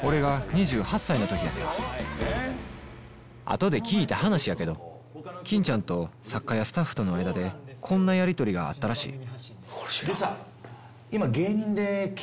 後で聞いた話やけど欽ちゃんと作家やスタッフとの間でこんなやりとりがあったらしい